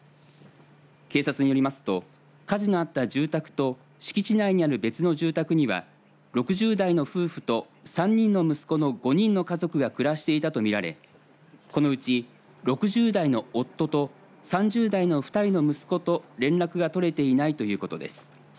警察によりますと火事のあった住宅と敷地内にある別の住宅には６０代の夫婦と３人の息子の５人の家族が暮らしていたと見られこのうち６０代の夫と３０代の２人の息子と連絡が取れていないということです。